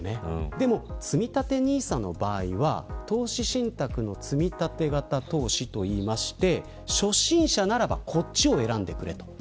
でもつみたてＮＩＳＡの場合は投資信託の積み立て型投資と言いまして初心者ならばこちらを選んでくれと。